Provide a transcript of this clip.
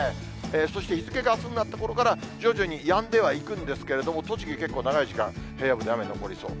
そして日付があすになったころから、徐々にやんではいくんですけれども、栃木、結構長い時間、平野部で雨残りそう。